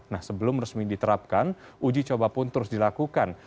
nah sebelum resmi diterapkan uji coba pun terus dilakukan